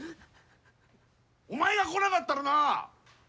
お前が来なかったらな